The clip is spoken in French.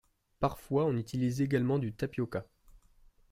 Parfois, on utilise également du tapioca.